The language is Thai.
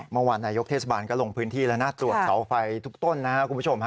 เมื่อวานนายกเทศบาลก็ลงพื้นที่แล้วนะตรวจเสาไฟทุกต้นนะครับคุณผู้ชมฮะ